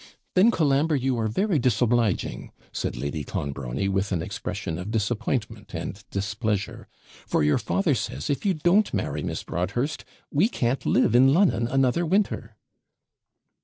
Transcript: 'Then, Colambre, you are very disobliging,' said Lady Clonbrony, with an expression of disappointment and displeasure; 'for your father says, if you don't marry Miss Broadhurst, we can't live in Lon'on another winter.'